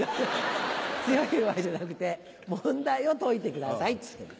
強い弱いじゃなくて問題を解いてくださいって言ってるの。